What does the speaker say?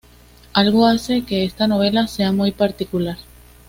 Algo hace que esta novela sea muy particular.